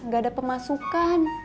gak ada pemasukan